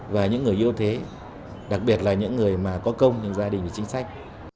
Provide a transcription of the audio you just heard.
và những người yêu thế đặc biệt là những người mà có công những gia đình những chính sách